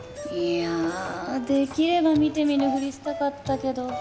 いやできれば見て見ぬふりしたかったけど。